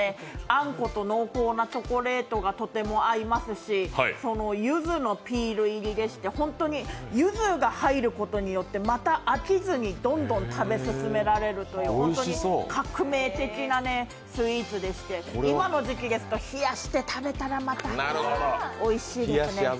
あんこと濃厚なチョコレートがとても合いますしゆずのピール入りでしてゆずが入ることによってまた飽きずにどんどん食べ進められるという革命的なスイーツでして今の時期ですと冷やして食べたらまたおいしいですね。